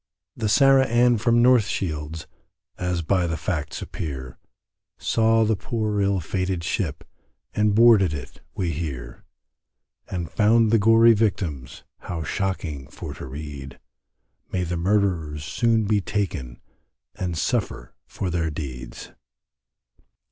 The Sarah Ann from North Shields, As by the facts appear, Saw the poor ill fated ship, And boarded it we hear; And found the gory victims How shocking for to read, May the murderers soon be taken And suffer for their deeds.